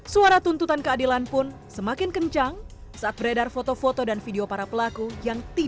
suara tuntutan keadilan pun semakin kencang saat beredar foto foto dan video para pelaku yang tidak